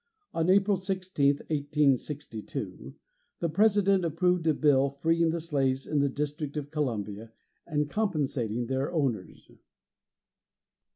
On April 16, 1862, the President approved a bill freeing the slaves in the District of Columbia and compensating their owners.